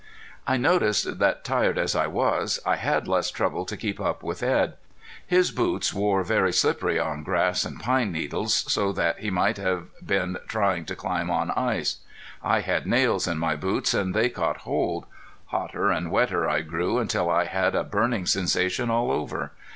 I noticed that tired as I was I had less trouble to keep up with Edd. His boots wore very slippery on grass and pine needles, so that he might have been trying to climb on ice. I had nails in my boots and they caught hold. Hotter and wetter I grew until I had a burning sensation all over.